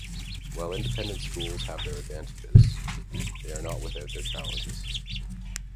While independent schools have their advantages, they are not without their challenges.